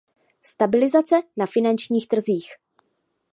Stabilizace na finančních trzích.